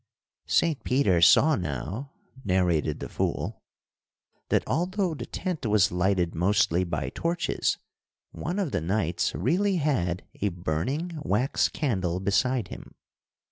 "Saint Peter saw now," narrated the fool, "that, although the tent was lighted mostly by torches, one of the knights really had a burning wax candle beside him.